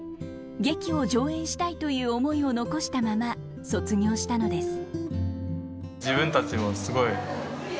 劇を上演したいという思いを残したまま卒業したのです。